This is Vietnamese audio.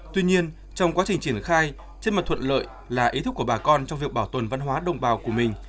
tuy nhiên trong quá trình triển khai trên mặt thuận lợi là ý thức của bà con trong việc bảo tồn văn hóa đồng bào của mình